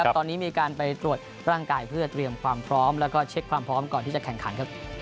ตอนนี้มีการไปตรวจร่างกายเพื่อเตรียมความพร้อมแล้วก็เช็คความพร้อมก่อนที่จะแข่งขัน